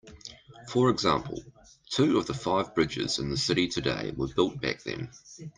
For example, two of the five bridges in the city today were built back then.